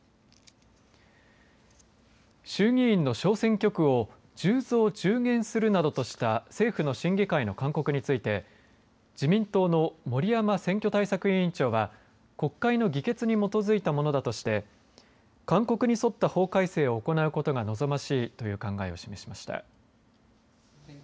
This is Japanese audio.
衆議院の小選挙区を１０増１０減するなどとした政府の審議会の勧告について自民党の森山選挙対策委員長は国会の議決に基づいたものだとして勧告に沿った法改正を行うことが望ましいという考えを示しました。